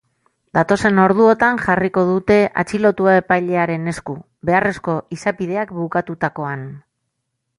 Datozen orduotan jarriko dute atxilotua epailearen esku, beharrezko izapideak bukatutakoan.